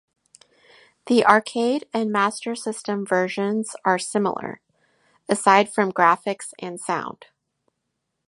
The arcade and Master System versions are similar, aside from graphics and sound.